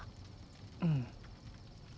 うん。